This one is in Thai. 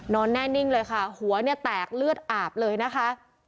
นอนแน่นิ่งเลยค่ะหัวเนี่ยแตกเลือดอาบเลยนะคะ